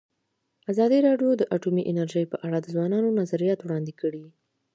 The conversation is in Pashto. ازادي راډیو د اټومي انرژي په اړه د ځوانانو نظریات وړاندې کړي.